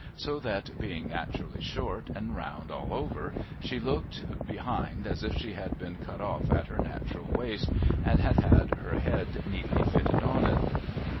So that, being naturally short and round all over, slie looked, behind, as if she had been cut off at her natural waist, and had had her head neatly fitted on it.